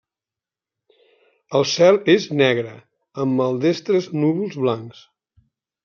El cel és negre, amb maldestres núvols blancs.